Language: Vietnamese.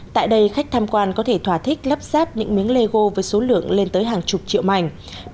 tại đây khách tham quan có thể thỏa thích lắp sáp những miếng lego với số lượng lên tới hàng chục triệu mảnh